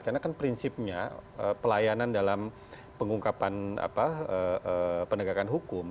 karena kan prinsipnya pelayanan dalam pengungkapan penegakan hukum